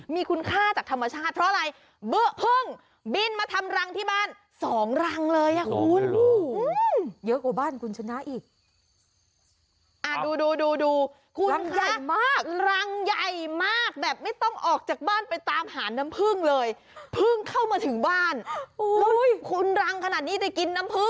มีคุณค่าจากธรรมชาติเพราะอะไร